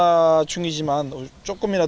kami juga ingin menikmati pertandingan